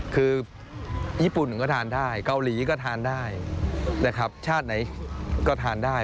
คือญี่ปุ่นก็ทานได้เกาหลีก็ทานได้นะครับชาติไหนก็ทานได้